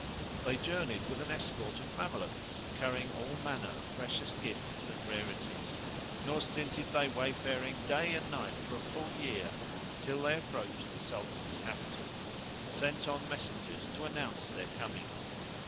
They journeyed with an escort of Mamelukes[FN#137] carrying all manners of precious gifts and rarities, nor stinted they wayfaring day and night for a full year until they approached the Sultan's capital, and sent on messengers to announce their coming.